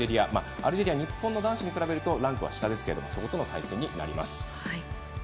アルジェリアは日本の男子と比べるとランクは下ですけどそことの対戦になります。